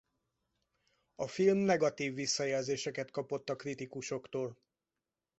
A film negatív visszajelzéseket kapott a kritikusoktól.